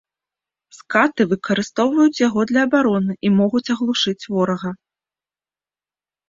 Скаты выкарыстоўваюць яго для абароны і могуць аглушыць ворага.